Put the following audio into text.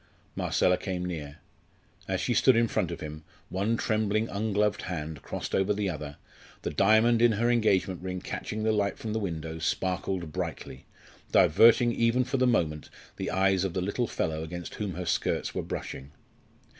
Marcella came near. As she stood in front of him, one trembling ungloved hand crossed over the other, the diamond in her engagement ring catching the light from the window sparkled brightly, diverting even for the moment the eyes of the little fellow against whom her skirts were brushing.